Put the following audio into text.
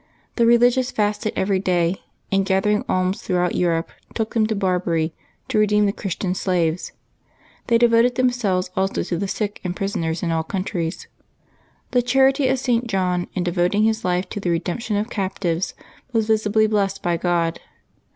The religious fasted every day, and gather ing alms throughout Europe took them to Barbary, to re deem the Christian slaves. They devoted themselves also to the sick and prisoners in all countries. The charity of St. John in devoting his life to the redemption of cap tives was visibly blessed by God.